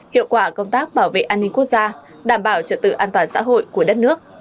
hiệu quả công tác bảo vệ an ninh quốc gia đảm bảo trật tự an toàn xã hội của đất nước